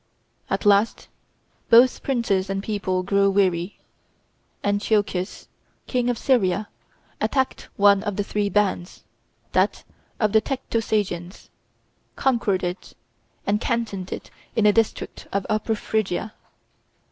At last both princes and people grew weary. Antiochus, King of Syria, attacked one of the three bands, that of the Tectosagians, conquered it, and cantoned it in a district of Upper Phrygia.